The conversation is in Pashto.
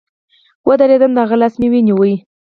ودرېدم د هغه لاس مې ونيو.